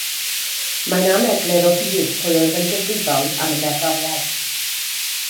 Mae'n aneglur o hyd pwy oedd yn gyfrifol am y gerddoriaeth.